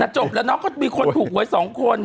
จบแล้วนะก็มีคนถูกไว้๒คน